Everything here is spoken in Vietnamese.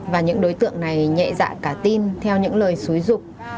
và những đối tượng này nhẹ dạ cả tin theo những lời xúi dục